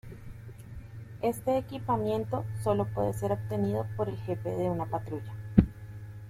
Este equipamiento solo puedes ser obtenido por el jefe de una patrulla.